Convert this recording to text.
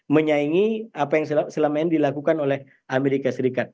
menyaingi apa yang selama ini dilakukan oleh amerika serikat